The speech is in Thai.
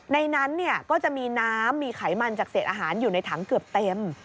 ในนั้นก็จะมีน้ำมีไขมันจากเศษอาหารอยู่ในถังเกือบเต็ม